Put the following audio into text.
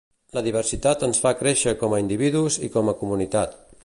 La diversitat ens fa créixer com a individus i com a comunitat.